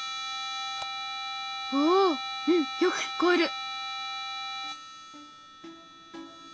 おおうんよく聞こえる！